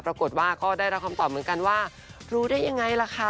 ปรากฏว่าก็ได้รับคำตอบเหมือนกันว่ารู้ได้ยังไงล่ะคะ